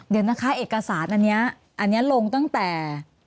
เดี๋ยวนะคะเอกสารอันนี้อันนี้ลงตั้งแต่